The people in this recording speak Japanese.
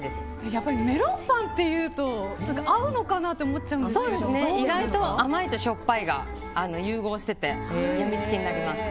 やっぱりメロンパンというと合うのかなって意外と甘いとしょっぱいが融合してて病みつきになります。